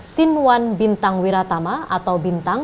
sinuan bintang wiratama atau bintang